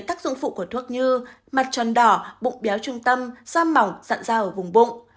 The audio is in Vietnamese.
các dụng phụ của thuốc như mặt tròn đỏ bụng béo trung tâm da mỏng dặn da ở vùng bụng